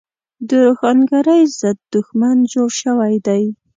د روښانګرۍ ضد دښمن جوړ شوی دی.